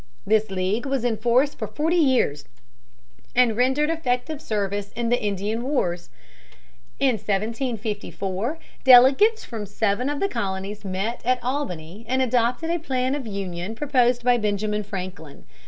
This league was in force for forty years, and rendered effective service in the Indian wars. In 1754 delegates from seven of the colonies met at Albany and adopted a plan of union proposed by Benjamin Franklin.